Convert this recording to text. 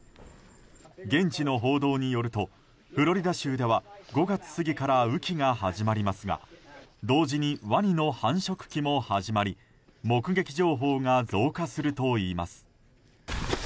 現地の報道によるとフロリダ州では５月過ぎから雨季が始まりますが同時にワニの繁殖期も始まり目撃情報が増加するといいます。